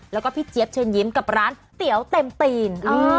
แล้วก็พี่เจี๊ยบเชิญยิ้มกับร้านเตี๋ยวเต็มตีน